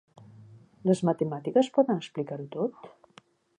Les matemàtiques poden explicar-ho tot?